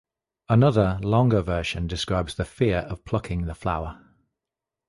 Another, longer version describes the fear of plucking the flower.